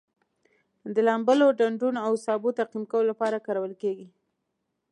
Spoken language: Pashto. د لامبلو ډنډونو او سابو تعقیم کولو لپاره کارول کیږي.